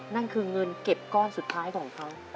นั่นคือเงินเก็บก้อนสุดท้ายของเขา